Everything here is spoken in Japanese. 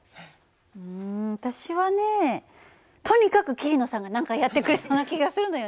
うん私はねとにかく桐野さんが何かやってくれそうな気がするのよね。